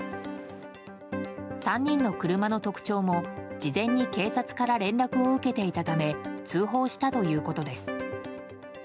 ３人の車の特徴も、事前に警察から連絡を受けていたため通報したということです。